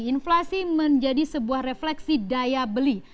inflasi menjadi sebuah refleksi daya beli